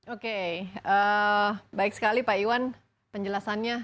oke baik sekali pak iwan penjelasannya